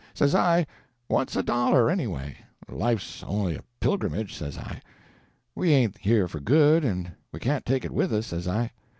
Says I, what's a dollar, anyway? Life's on'y a pilgrimage, says I; we ain't here for good, and we can't take it with us, says I.